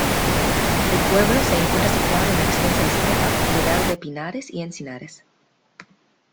El pueblo se encuentra situado en una extensa estepa, rodeado de pinares y encinares.